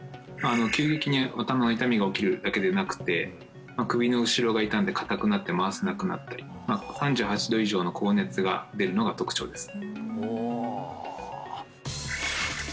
急激に頭の痛みが起きるだけでなくて首の後ろが痛んでかたくなって回せなくなったり３８度以上の高熱が出るのが特徴です